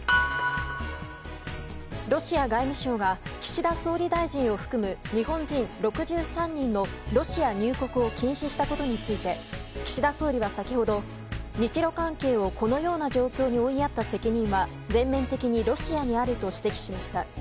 ロシア外務省が岸田総理大臣を含む日本人６３人のロシア入国を禁止したことについて岸田総理は先ほど日露関係をこのような状況に追いやった責任は全面的にロシアにあると指摘しました。